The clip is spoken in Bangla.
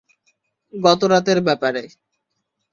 গত রাতের ব্যাপারে।